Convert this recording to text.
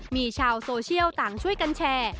มีชาวโซเชียลต่างช่วยกันแชร์